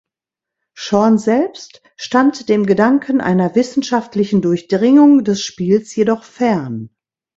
Schorn selbst stand dem Gedanken einer wissenschaftlichen Durchdringung des Spiels jedoch fern.